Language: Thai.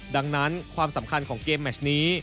ดังนั้นความสำคัญของเกมแมชนี้